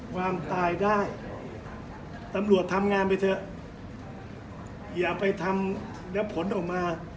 ความตายได้ตำรวจทำงานไปเถอะอย่าไปทำแล้วผลออกมา